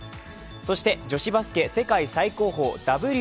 そして、女子バスケ世界最高峰、ＷＮＢＡ。